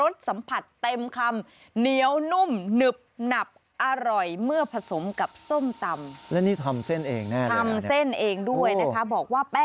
ตัวนมจีนจะเหมือนรอดช่องอ่ะนะ